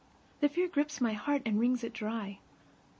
The fear grips my heart and wrings it dry.